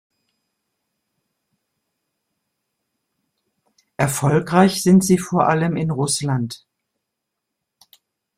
Erfolgreich sind sie vor allem in Russland.